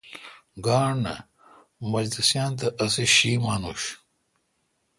گانٹھ نہ۔ منجلسیان تہ شی مانوش۔